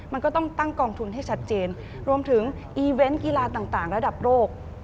มันก็ต้องตั้งกองทุนให้ชัดเจนรวมถึงอีเวนต์กีฬาต่างระดับโลก